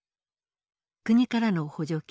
国からの補助金